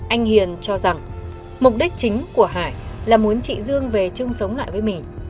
anh hiền cho rằng mục đích chính của hải là muốn chị dương về chung sống lại với mình